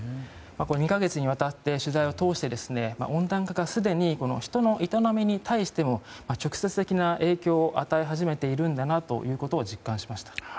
２か月にわたって取材を通してですね温暖化がすでに人の営みに対しても直接的な影響を与え始めているんだなということを実感しました。